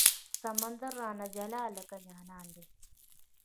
سمندر رانه جلا لکه جانان دی